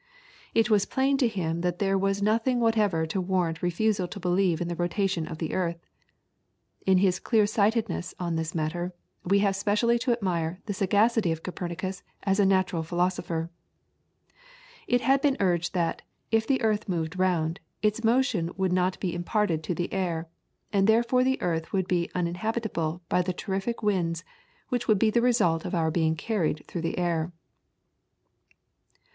It was plain to him that there was nothing whatever to warrant refusal to believe in the rotation of the earth. In his clear sightedness on this matter we have specially to admire the sagacity of Copernicus as a natural philosopher. It had been urged that, if the earth moved round, its motion would not be imparted to the air, and that therefore the earth would be uninhabitable by the terrific winds which would be the result of our being carried through the air.